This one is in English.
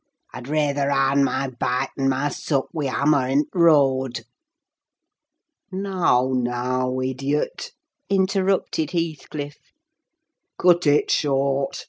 I'd rayther arn my bite an' my sup wi' a hammer in th' road!" "Now, now, idiot!" interrupted Heathcliff, "cut it short!